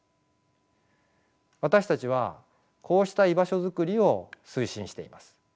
私たちはこうした居場所づくりを推進しています。